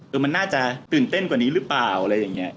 มันน่าจะตื่นเต้นกว่านี้หรือเปล่าอะไรอย่างนี้